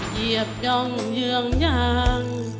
เหยียบย่องเยืองยาง